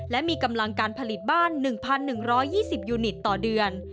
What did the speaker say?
และมีกำลังการผลิตบ้าน๑๑๒๐ยูนิตต่อเดือน